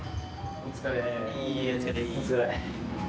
お疲れ。